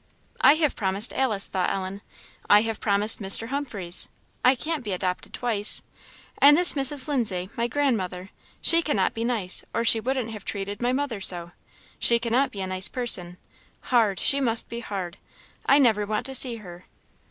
"I have promised Alice," thought Ellen "I have promised Mr. Humphreys; I can't be adopted twice. And this Mrs. Lindsay my grandmother! she cannot be nice, or she wouldn't have treated my mother so. She cannot be a nice person; hard she must be hard; I never want to see her.